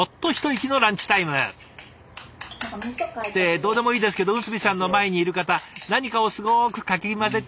どうでもいいですけど慈さんの前にいる方何かをすごくかき混ぜてますよね。